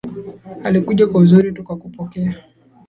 Ulikuja kwa uzuri tukakupokea.